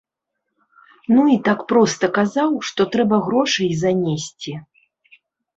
Ну, і так проста і казаў, што трэба грошай занесці.